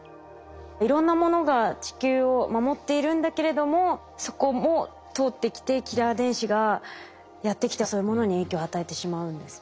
いろんなものが地球を守っているんだけれどもそこも通ってきてキラー電子がやって来てそういうものに影響を与えてしまうんですね。